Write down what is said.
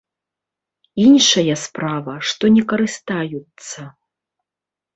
Іншая справа, што не карыстаюцца.